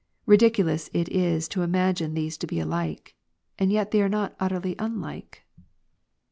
Ridiculous it is to * imagine these to be alike; and yet are they not utterly unlike.